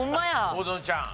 大園ちゃん。